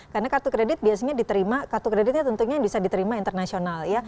karena kartu kredit biasanya diterima kartu kreditnya tentunya bisa diterima internasional ya